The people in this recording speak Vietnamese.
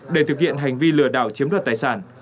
để thực hiện hành vi lừa đảo chiếm đoạt tài sản